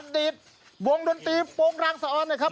ดีตวงดนตรีโปรงรางสะออนนะครับ